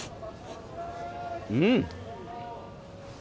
うん！